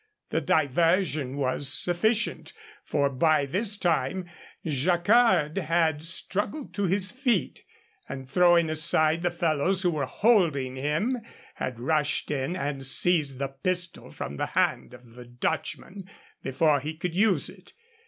The diversion was sufficient. For by this time Jacquard had struggled to his feet, and, throwing aside the fellows who were holding him, had rushed in and seized the pistol from the hand of the Dutchman before he could use it.